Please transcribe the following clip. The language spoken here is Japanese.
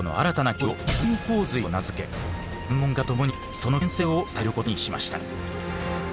専門家と共にその危険性を伝えることにしました。